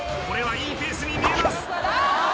これはいいペースに見えます。